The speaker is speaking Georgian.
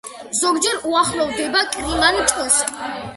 ზოგჯერ უახლოვდება კრიმანჭულს.